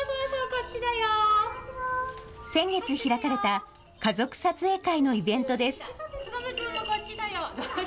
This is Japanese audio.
先月開かれた家族撮影会のイベントです。